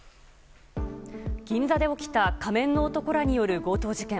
銀座で起きた仮面の男らによる強盗事件。